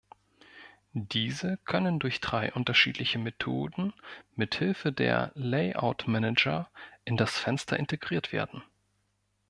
Diese können durch drei unterschiedliche Methoden mithilfe der Layout-Manager in das Fenster integriert werden.